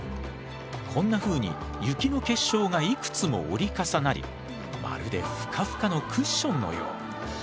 こんなふうに雪の結晶がいくつも折り重なりまるでフカフカのクッションのよう。